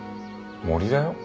森だよ？